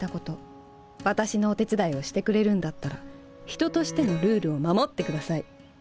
私のお手伝いをしてくれるんだったら人としてのルールを守って下さい。